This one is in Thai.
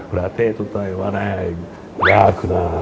ประเทศสุดท้ายว่ารากล่า